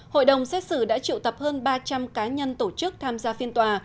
hội đồng xét xử đã triệu tập hơn ba trăm linh cá nhân tổ chức tham gia phiên tòa